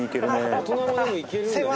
大人もでもいけるんだね。